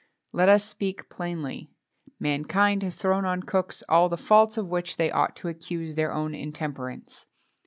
Let us speak plainly: mankind has thrown on cooks all the faults of which they ought to accuse their own intemperance.